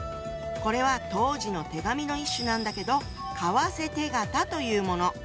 これは当時の手紙の一種なんだけど「為替手形」というもの。